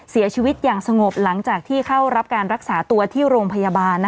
เสียชีวิตอย่างสงบหลังจากที่เข้ารับการรักษาตัวที่โรงพยาบาล